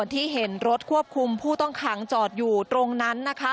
ที่เห็นรถควบคุมผู้ต้องขังจอดอยู่ตรงนั้นนะคะ